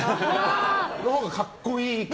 そのほうが格好いい感。